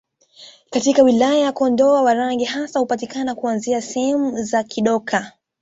Katika wilaya ya Kondoa Warangi hasa hupatikana kuanzia sehemu za Kidoka